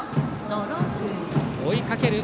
追いかける